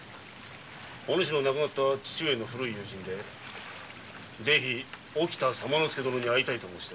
お主の亡くなった父上の古い友人でぜひ沖田左馬助殿に会いたいと申しておる。